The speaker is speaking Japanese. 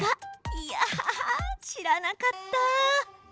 いや、知らなかった。